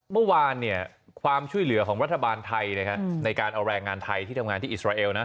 เมื่อวานความช่วยเหลือของรัฐบาลไทยในการเอาแรงงานไทยที่ทำงานที่อิสราเอลนะ